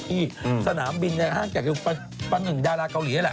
ที่สนามบินในห้างแหลกคือฟันหนึ่งดาราเกาหลีด้วยแหละ